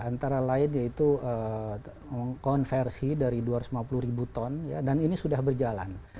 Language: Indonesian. antara lain yaitu konversi dari dua ratus lima puluh ribu ton dan ini sudah berjalan